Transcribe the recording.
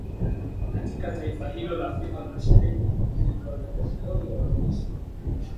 katika taifa hilo la Afrika mashariki ili kuwa na idadi ndogo ya wanajeshi wa Marekani